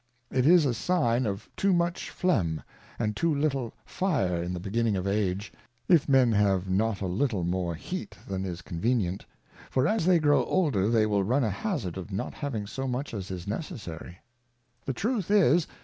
It is a sign of too much Phlegm, and too little Fire in the beginning of Age, if Men have not a little more heat than is convenient ; for as they grow older they will run a hazard of not having so much as is necessary. The Truth is.